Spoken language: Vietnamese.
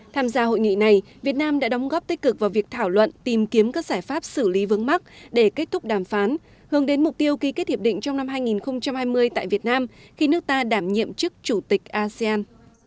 tham gia hội nghị này việt nam đã đóng góp tích cực vào việc thảo luận tìm kiếm các giải pháp xử lý vướng mắc để kết thúc đàm phán hướng đến mục tiêu ký kết hiệp định trong năm hai nghìn hai mươi tại việt nam khi nước ta đảm nhiệm chức chủ tịch asean